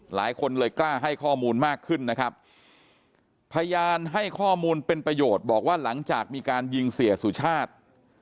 หลายคนเลยกล้าให้ข้อมูลมากขึ้นนะครับพยานให้ข้อมูลเป็นประโยชน์บอกว่าหลังจากมีการยิงเสียสุชาติ